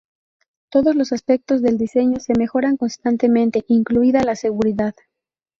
Todos los aspectos del diseño se mejoran constantemente, incluida la seguridad.